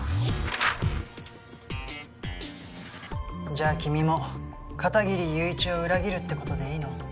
じゃあ君も片切友一を裏切るって事でいいの？